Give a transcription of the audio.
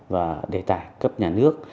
và đề tài cấp nhà nước